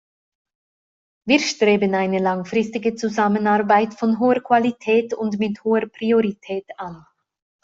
Wir streben eine langfristige Zusammenarbeit von hoher Qualität und mit hoher Priorität an.